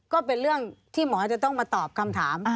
ก็เป็นเรื่องที่หมอจะต้องมาตอบคำถาม